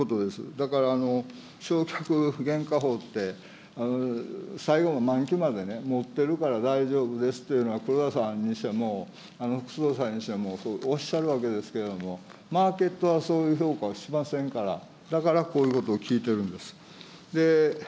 だから償却原価法って、最後の満期まで持っているから大丈夫ですっていうのは、黒田さんにしても、副総裁にしてもおっしゃるわけですけれども、マーケットはそういう評価をしませんから、だからこういうことを聞いているんです。